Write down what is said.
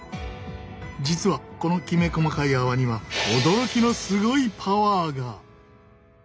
実はこのきめ細かい泡には驚きのすごいパワーが！